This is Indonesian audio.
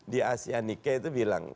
di asia nike itu bilang